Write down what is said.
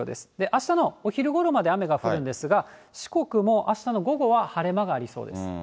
あしたのお昼ごろまで雨が降るんですが、四国もあしたの午後は晴れ間がありそうです。